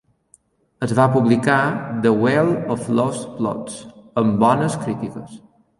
Es va publicar "The Well of Lost Plots" amb bones crítiques.